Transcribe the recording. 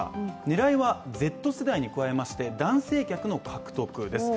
狙いはＺ世代に加えまして、男性客の獲得です。